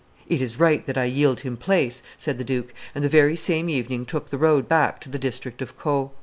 "It is right that I yield him place," said the duke, and the very same evening took the road back to the district of Caux.